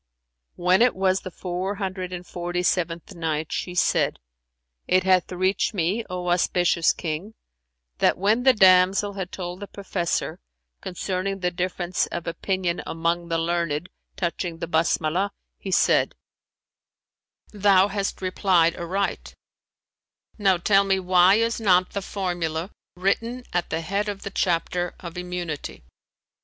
When it was the Four Hundred and Forty seventh Night, She said, It hath reached me, O auspicious King, that when the damsel had told the professor concerning the difference of opinion among the learned touching the "Basmalah," he said, "Thou hast replied aright: now tell me why is not the formula written at the head of the chapter of Immunity[FN#367]?"